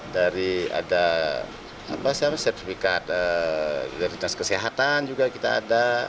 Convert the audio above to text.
dari ada sertifikat dari dinas kesehatan juga kita ada